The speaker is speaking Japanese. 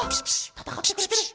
たたかってくれてる。